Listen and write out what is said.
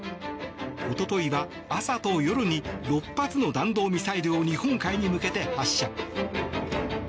一昨日は朝と夜に６発の弾道ミサイルを日本海に向けて発射。